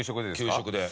給食で。